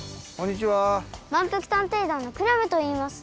まんぷく探偵団のクラムといいます。